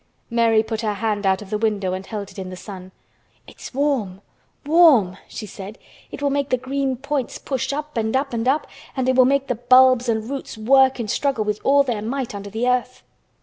Mary put her hand out of the window and held it in the sun. "It's warm—warm!" she said. "It will make the green points push up and up and up, and it will make the bulbs and roots work and struggle with all their might under the earth."